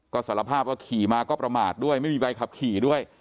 ก็สารภาพว่าขี่มาก็ประมาทด้วยไม่มีใบขับขี่ด้วย